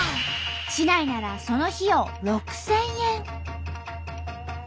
市内ならその費用６，０００円。